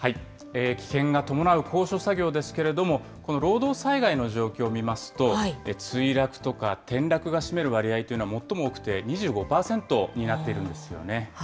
危険が伴う高所作業ですけれども、この労働災害の状況を見ますと、墜落とか、転落が占める割合というのは最も多くて２５％になっているんですよね。